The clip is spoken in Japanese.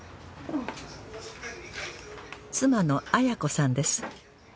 妻の安矢子さんです